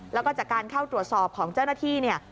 แล้วก็จากการเข้าตรวจสอบของเจ้าหน้าที่เนี่ย